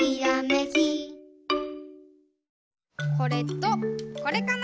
これとこれかな？